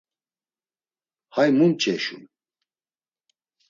Hay mu mç̌eşum?